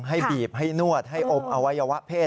ให้บีบให้นวดให้อมอวัยวะเพศ